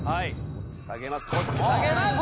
こっち下げます